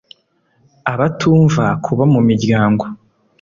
Abatumva kuba mu miryango